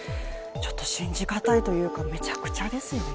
ちょっと信じがたいというか、めちゃくちゃですよね。